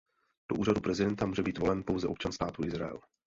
Do úřadu prezidenta může být volen pouze občan Státu Izrael.